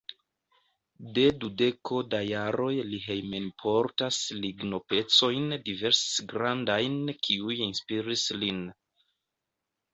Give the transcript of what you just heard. De dudeko da jaroj li hejmenportas lignopecojn diversgrandajn, kiuj inspiris lin.